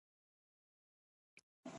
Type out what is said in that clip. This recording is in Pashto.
کندهار د افغانستان په هره برخه کې موندل کېږي.